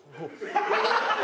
ハハハハ！